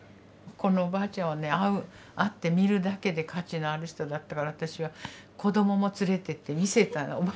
このおばあちゃんはね会ってみるだけで価値のある人だったから私は子どもも連れていって見せたの。